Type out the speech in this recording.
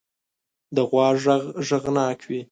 د غوا غږ غږناک وي.